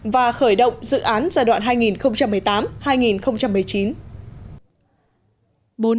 và khởi động dự án giai đoạn hai nghìn một mươi tám hai nghìn một mươi chín